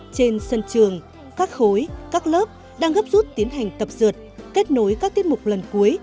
trên sân trường các khối các lớp đang gấp rút tiến hành tập dượt kết nối các tiết mục lần cuối